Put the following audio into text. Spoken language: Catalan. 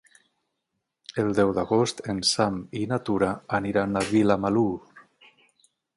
El deu d'agost en Sam i na Tura aniran a Vilamalur.